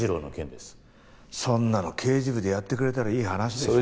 そんなの刑事部でやってくれたらいい話でしょう。